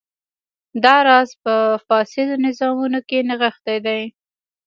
دا راز په فاسدو نظامونو کې نغښتی دی.